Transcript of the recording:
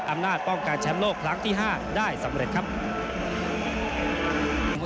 อำนาจป้องกันแชมป์โลกครั้งที่๕ได้สำเร็จครับ